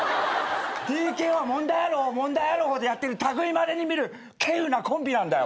ＴＫＯは問題ある方問題ある方でやってる類いまれに見る希有なコンビなんだよ。